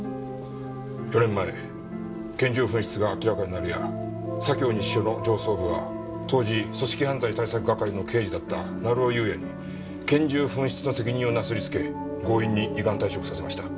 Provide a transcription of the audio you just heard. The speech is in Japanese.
４年前拳銃紛失が明らかになるや左京西署の上層部は当時組織犯罪対策係の刑事だった成尾優也に拳銃紛失の責任をなすりつけ強引に依願退職させました。